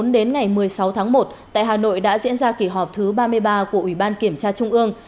đến ngày một mươi sáu tháng một tại hà nội đã diễn ra kỳ họp thứ ba mươi ba của ủy ban kiểm tra trung ương